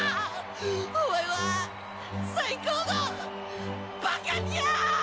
お前は最高のバカニャ！